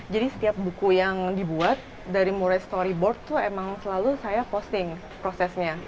jadi setiap buku yang dibuat dari murray's storyboard tuh emang selalu saya posting prosesnya